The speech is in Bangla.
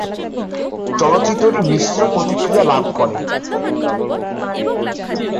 চলচ্চিত্রটি মিশ্র প্রতিক্রিয়া লাভ করে।